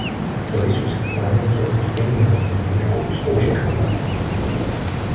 Do lisu se vkládají tělesa stejných rozměrů jako u zkoušek v tlaku.